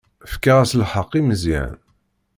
Fkiɣ-as lḥeqq i Meẓyan.